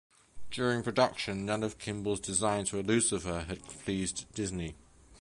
During production, none of Kimball's designs for Lucifer had pleased Disney.